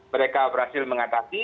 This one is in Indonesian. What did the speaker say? mereka berhasil mengatasi